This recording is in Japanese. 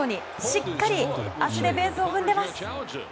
しっかり足でベースを踏んでいます。